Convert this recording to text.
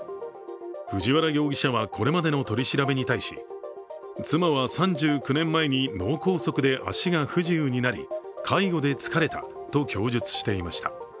藤原容疑者はこれまでの取り調べに対し妻は３９年前に脳梗塞で足が不自由になり、介護で疲れたと供述していました。